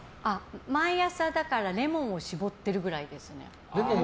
毎朝レモンを搾ってるくらいです。